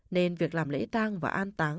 nên việc làm lễ tang và an tán